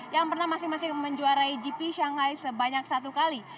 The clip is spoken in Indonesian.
yang pernah masing masing menjuarai gp shanghai sebanyak satu kali